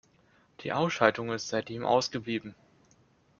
Die Aufschaltung ist seitdem ausgeblieben.